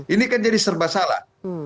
ini kan jadi serba salah